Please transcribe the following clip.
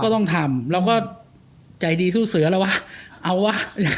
ก็ต้องทำแล้วก็ใจดีสู้เสือแล้ววะ